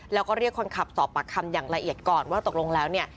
แล้วก็เรียกคนขับสอบปากคำอย่างละเอียดก่อนว่าตกลงแล้วเนี่ย